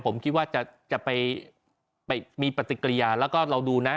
ผมคิดว่าจะไปมีปฏิกิริยาแล้วก็เราดูนะ